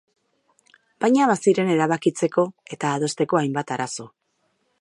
Baina baziren erabakitzeko eta adosteko hainbat arazo.